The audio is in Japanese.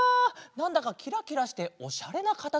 なんだかキラキラしておしゃれなかたつむりだね！